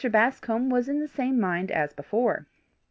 Bascombe was in the same mind as before.